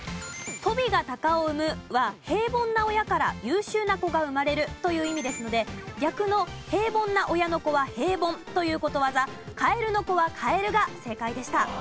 鳶が鷹を生むは平凡な親から優秀な子が生まれるという意味ですので逆の平凡な親の子は平凡ということわざ蛙の子は蛙が正解でした。